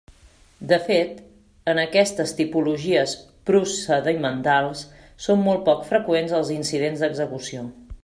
De fet, en aquestes tipologies procedimentals són molt poc freqüents els incidents d'execució.